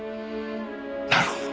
なるほど。